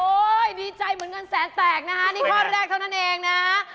ดีใจเหมือนเงินแสนแตกนะฮะนี่ข้อแรกเท่านั้นเองนะฮะ